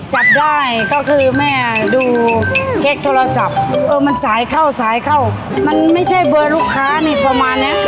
จับได้ก็คือแม่ดูเช็คโทรศัพท์เออมันสายเข้าสายเข้ามันไม่ใช่เบอร์ลูกค้านี่ประมาณเนี้ย